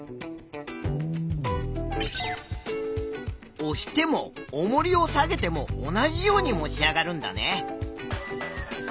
おしてもおもりを下げても同じように持ち上がるんだね。